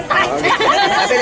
tapi tetap kebahagiaan ya